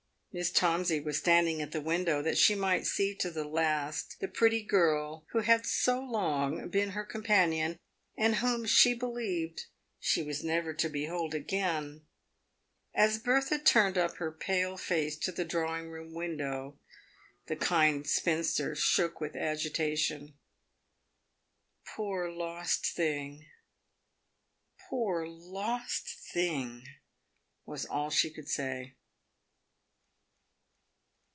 \ Miss Tomsey was standing at the window that she might see to the last the pretty girl who had so long been her companion, and whom she believed she was never to behold again. As Bertha turned up her pale face to the drawing room window, the kind spinster shook with agitation. " Poor lost thing !— poor lost thing !" was all she could say.